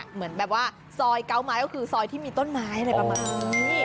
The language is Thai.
เหมือนแบบว่าซอยเกาะไม้ก็คือซอยที่มีต้นไม้อะไรประมาณนี้